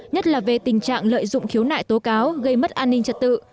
nhất là về tình trạng lợi dụng khiếu nại tố cáo gây mất an ninh trật tự